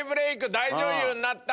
大女優になった。